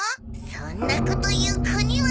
そんなこと言う子には。